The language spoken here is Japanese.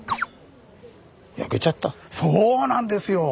そうなんですよ！